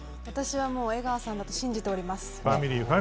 江川さんだと信じております。